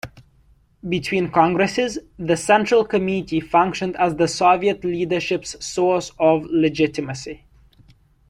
Between Congresses, the Central Committee functioned as the Soviet leadership's source of legitimacy.